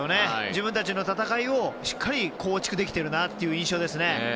自分たちの戦いをしっかり構築できているという印象ですね。